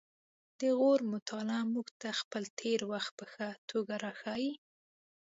د غور مطالعه موږ ته خپل تیر وخت په ښه توګه راښيي